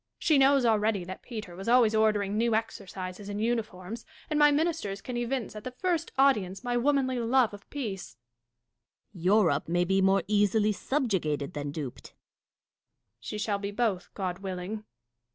She knows already that Peter was always ordering new exercises and uniforms ; and my ministers can evince at the first audience my womanly love of peace Dashkof. Europe may be more easily subjugated than duped. Catharine. She shall be both, God willing.